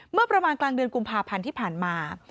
เมื่อประมาณกลางเดือนกุมภาพันธ์ที่ผ่านมา